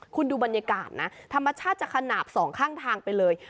คุณดูบรรยากาศนะธรรมชาติจะขนาดสองข้างทางไปเลย